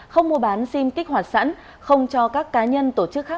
không mua bán sim kích hoạt sẵn không cho các cá nhân tổ chức khác